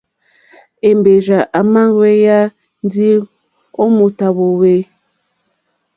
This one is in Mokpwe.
Èmbèrzà èmà ŋwěyá ndí ó mòtà hwòhwê.